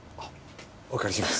お借りします。